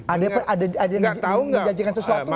ada yang menjanjikan sesuatu nggak mas arief